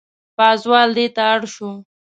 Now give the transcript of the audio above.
پازوال دېته اړ شو.